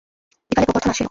বিকালে গোবর্ধন আসিল।